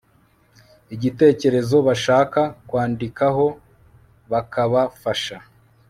igitekerezo bashaka kwandikaho bakabafasha